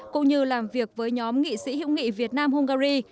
cũng như làm việc với nhóm nghị sĩ hữu nghị việt nam hungary